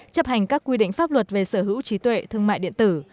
chấp hành các quy định pháp luật về sở hữu trí tuệ thương mại điện tử